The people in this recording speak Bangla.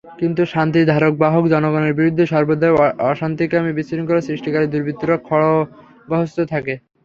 কিন্তু শান্তির ধারক-বাহক জনগণের বিরুদ্ধে সর্বদাই অশান্তিকামী বিশৃঙ্খলা সৃষ্টিকারী দুর্বৃত্তরা খড়্গহস্ত থাকে।